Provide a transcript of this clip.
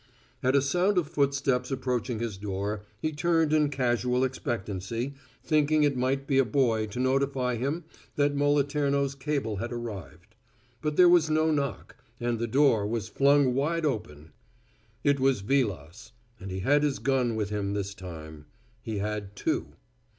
At a sound of footsteps approaching his door, he turned in casual expectancy, thinking it might be a boy to notify him that Moliterno's cable had arrived. But there was no knock, and the door was flung wide open. It was Vilas, and he had his gun with him this time. He had two.